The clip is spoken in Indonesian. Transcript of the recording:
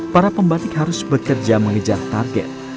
para pembatik harus bekerja mengejar target